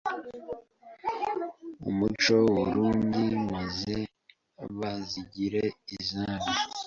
umuco w’u Burunndi maze bazigire izabo